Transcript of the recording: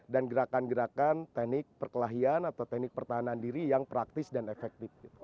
dan gerakan gerakan teknik perkelahian atau teknik pertahanan diri yang praktis dan efektif